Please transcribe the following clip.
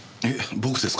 僕ですか？